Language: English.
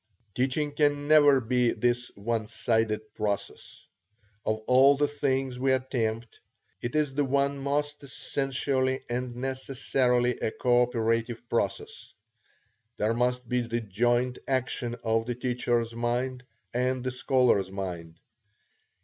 Teaching can never be this one sided process. Of all the things we attempt, it is the one most essentially and necessarily a coöperative process. There must be the joint action of the teacher's mind and the scholar's mind.